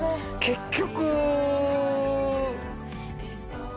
結局。